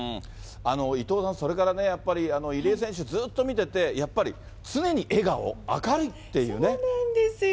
伊藤さん、それからね、やっぱり入江選手、ずっと見てて、やっぱり常に笑顔、そうなんですよ。